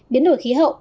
biến đổi khí hậu